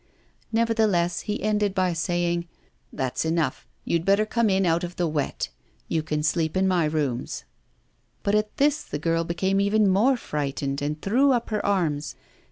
Nevertheless, he ended by saying, 'That's enough. You had better come in out of the wet. You can sleep in my rooms.' But at this the girl became even more frightened, and threw up her arms.